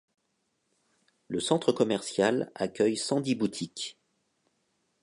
Le centre commercial accueille cent dix boutiques.